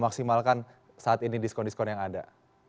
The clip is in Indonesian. maksimalkan saat ini diskon diskon yang ada